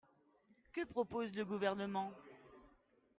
Que propose le Gouvernement ?